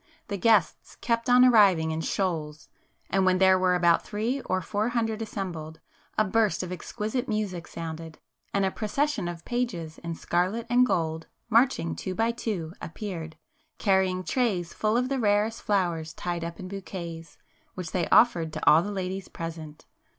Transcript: The guests kept on arriving in shoals, and when there were about three or four hundred assembled, a burst of exquisite music sounded, and a procession of pages in scarlet and gold, marching two by two appeared, carrying trays full of the rarest flowers tied up in bouquets, which they offered to all the ladies present.